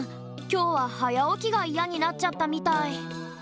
きょうははやおきがイヤになっちゃったみたい。